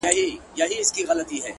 خو دا لمر بيا په زوال د چا د ياد ،